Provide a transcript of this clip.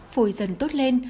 phổi dần tốt lên